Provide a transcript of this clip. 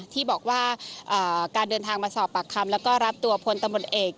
ที่บอกว่าการเดินทางมาสอบปากคำแล้วก็รับตัวพลตำรวจเอก